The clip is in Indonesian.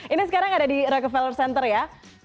ini sekarang ada di rcval center ya